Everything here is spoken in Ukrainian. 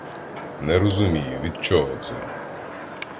Не розумію, від чого це.